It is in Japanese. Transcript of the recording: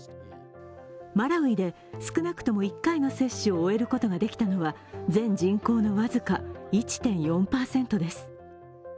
マラウイで、少なくとも１回の接種を終えることができたのは全人口の僅か１．４％です。